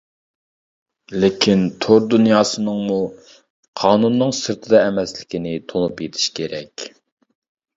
لېكىن تور دۇنياسىنىڭمۇ قانۇننىڭ سىرتىدا ئەمەسلىكىنى تونۇپ يېتىش كېرەك.